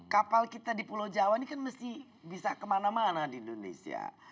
kapal kita di pulau jawa ini kan mesti bisa kemana mana di indonesia